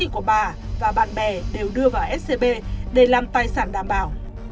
giá trị của bà và bạn bè đều đưa vào scb để làm tài sản đảm bảo